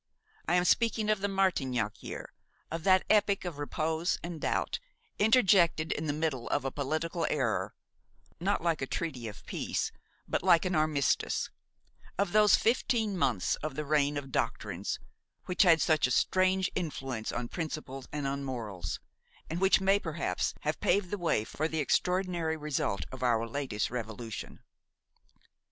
I am speaking of the Martignac year, of that epoch of repose and doubt, interjected in the middle of a political era, not like a treaty of peace, but like an armistice; of those fifteen months of the reign of doctrines, which had such a strange influence on principles and on morals, and which may perhaps have paved the way for the extraordinary result of our latest revolution.